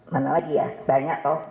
mana lagi ya banyak toh